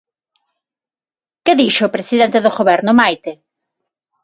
Que dixo o presidente do Goberno, Maite?